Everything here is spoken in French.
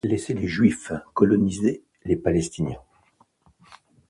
Laisser les Juifs coloniser les Palestiniens.